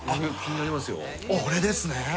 おっこれですね。